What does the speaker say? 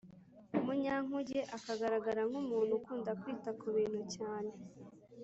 munyankuge agaragara nk’umuntu ukunda kwita ku bintu cyane